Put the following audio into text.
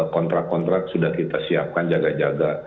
kontrak kontrak sudah kita siapkan jaga jaga